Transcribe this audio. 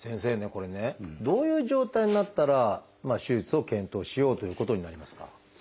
これねどういう状態になったら手術を検討しようということになりますか？